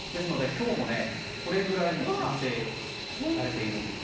今日もこれくらい剪定されているんですね。